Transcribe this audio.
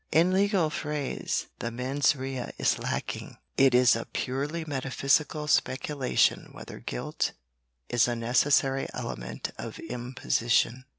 In legal phrase the mens rea is lacking. It is a purely metaphysical speculation whether guilt is a necessary element of imposition.